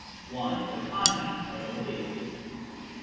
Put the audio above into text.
(1) The Content of a Belief.